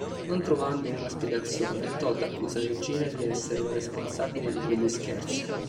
Non trovando una spiegazione, Todd accusa Regina di essere la responsabile di quegli scherzi.